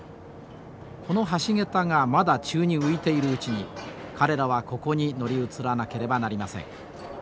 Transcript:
この橋桁がまだ宙に浮いているうちに彼らはここに乗り移らなければなりません。